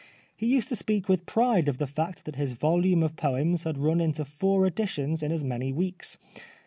He used to speak with pride of the fact that his volume of poems had run into four editions in as many weeks.